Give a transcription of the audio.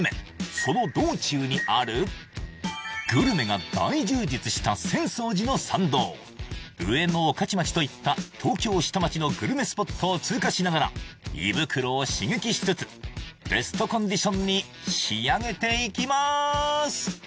その道中にあるグルメが大充実した浅草寺の参道上野御徒町といった東京下町のグルメスポットを通過しながら胃袋を刺激しつつベストコンディションに仕上げていきます！